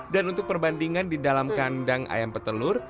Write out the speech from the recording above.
dan untuk perbandingan di dalam kandang ayam petelur